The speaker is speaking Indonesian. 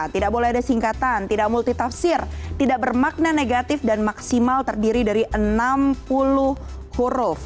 tidak boleh ada singkatan tidak multitafsir tidak bermakna negatif dan maksimal terdiri dari enam puluh huruf